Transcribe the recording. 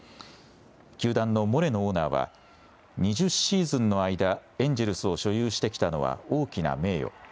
球団のモレノオーナーは、２０シーズンの間、エンジェルスを所有してきたのは大きな名誉。